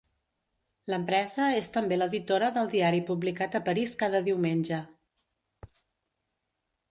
L'empresa és també l'editora del diari publicat a París cada diumenge.